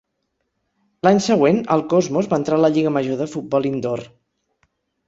L'any següent, el Cosmos va entrar a la Lliga Major de Futbol Indoor.